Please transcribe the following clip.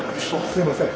すいません。